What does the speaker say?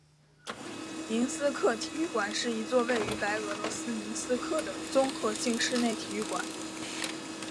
明斯克体育馆是一座位于白俄罗斯明斯克的综合性室内体育馆。